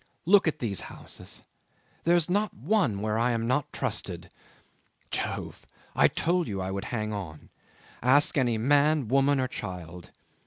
"Look at these houses; there's not one where I am not trusted. Jove! I told you I would hang on. Ask any man, woman, or child